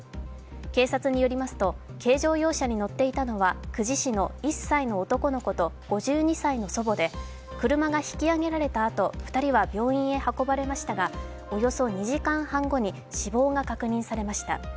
警察によりますと軽乗用車に乗っていたのは久慈市の１歳の男の子と５２歳の祖母で車が引き揚げられたあと２人は病院は運ばれましたがおよそ２時間半後に死亡が確認されました。